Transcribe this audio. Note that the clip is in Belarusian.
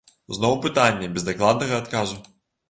Зноў пытанне без дакладнага адказу.